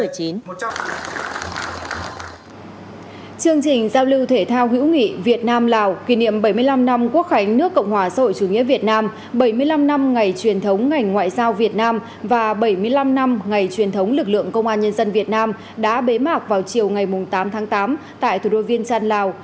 chương trình giao lưu thể thao hữu nghị việt nam lào kỷ niệm bảy mươi năm năm quốc khánh nước cộng hòa xã hội chủ nghĩa việt nam bảy mươi năm năm ngày truyền thống ngành ngoại giao việt nam và bảy mươi năm năm ngày truyền thống lực lượng công an nhân dân việt nam đã bế mạc vào chiều ngày tám tháng tám tại thủ đô viên trăn lào